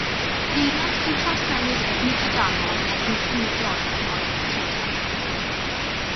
Peiriant sy'n trawsnewid egni trydanol yn egni symudol yw'r modur trydan.